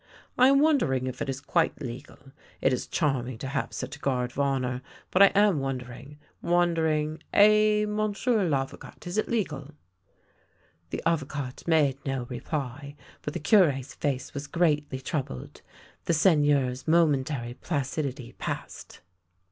" I am wondering if it is quite legal. It is charming to have such a guard of honour, but I am wondering — wondering — eh, monsieur I'avocat, is it legal?" The Avocat made no reply, but the Cure's face was greatly troubled. The Seigneur's momentary placid ity passed.